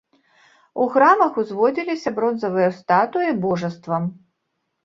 У храмах узводзіліся бронзавыя статуі божаствам.